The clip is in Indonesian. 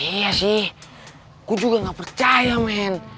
iya sih aku juga gak percaya men